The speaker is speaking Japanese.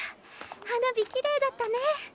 花火きれいだったね。